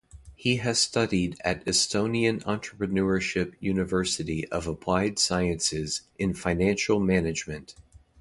He has studied at Estonian Entrepreneurship University of Applied Sciences in financial management.